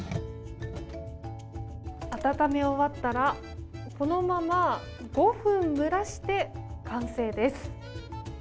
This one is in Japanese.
温め終わったらこのまま５分蒸らして完成です。